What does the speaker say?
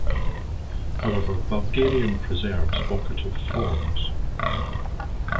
However, Bulgarian preserves vocative forms.